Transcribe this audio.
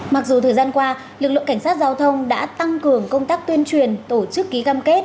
mặc dù thời gian qua lực lượng cảnh sát giao thông đã tăng cường công tác tuyên truyền tổ chức ký cam kết